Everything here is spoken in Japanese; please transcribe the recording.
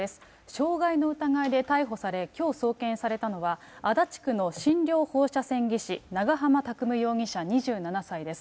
傷害の疑いで逮捕され、きょう送検されたのは、足立区の診療放射線技師、長浜拓夢容疑者２７歳です。